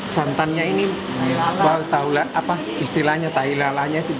santannya ini istilahnya tai lalanya